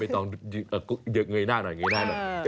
อ่ะคือนี่น่ะน่ะนี่น่ะ